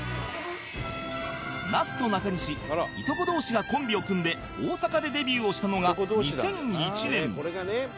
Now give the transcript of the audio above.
那須と中西いとこ同士がコンビを組んで大阪でデビューをしたのが２００１年